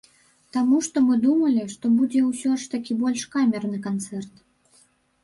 Таму што мы думалі, што будзе ўсё ж такі больш камерны канцэрт.